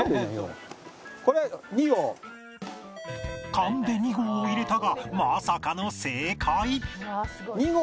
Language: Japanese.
勘で２合を入れたがまさかの正解